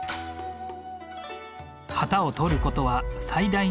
旗を取ることは最大の名誉。